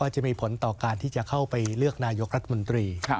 จะมีผลต่อการที่จะเข้าไปเลือกนายกรัฐมนตรี